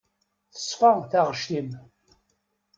Teṣfa taɣect-im.